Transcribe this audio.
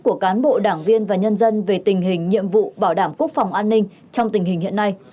của cán bộ đảng viên và nhân dân về tình hình nhiệm vụ bảo đảm quốc phòng an ninh trong tình hình hiện nay